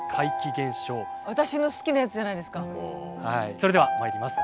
それではまいります。